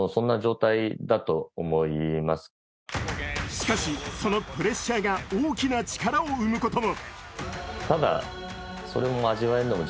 しかし、そのプレッシャーが大きな力を生むことも。